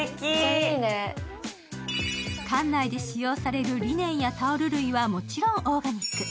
館内で使用されるリネンやタオル類はもちろんオーガニック。